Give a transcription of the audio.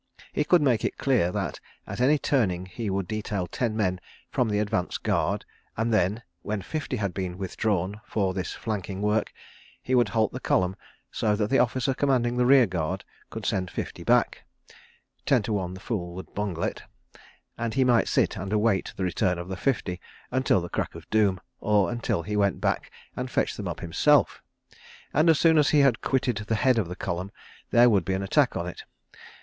... He could make it clear that at any turning he would detail ten men from the advance guard, and then, when fifty had been withdrawn for this flanking work, he would halt the column so that the officer commanding the rear guard could send fifty back. ... Ten to one the fool would bungle it, and he might sit and await the return of the fifty until the crack of doom, or until he went back and fetched them up himself. And as soon as he had quitted the head of the column there would be an attack on it!